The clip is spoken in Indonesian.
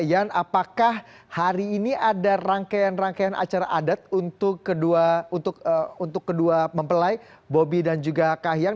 dan apakah hari ini ada rangkaian rangkaian acara adat untuk kedua mempelai bobi dan juga kahyang